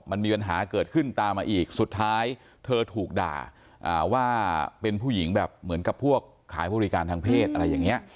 มันมีปัญหาเกิดขึ้นตามมาอีกสุดท้ายเธอถูกด่าว่าเป็นผู้หญิงแบบเหมือนกับพวกขายบริการทางเพศอะไรอย่างนี้